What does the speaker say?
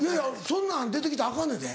そんなん出てきたらアカンねんで。